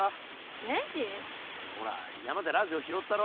ほら山でラジオ拾ったろ。